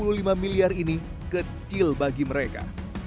dan nilai dua puluh lima miliar ini kecil bagi mereka